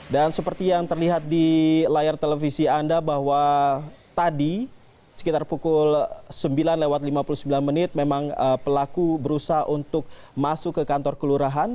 dan seperti yang terlihat di layar televisi anda bahwa tadi sekitar pukul sembilan lewat lima puluh sembilan menit memang pelaku berusaha untuk masuk ke kantor kelurahan